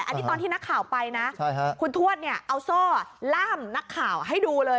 อันนี้ตอนที่นักข่าวไปนะคุณทวดเนี่ยเอาโซ่ล่ามนักข่าวให้ดูเลย